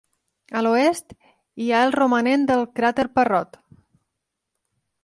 A l'oest hi ha el romanent del cràter Parrot.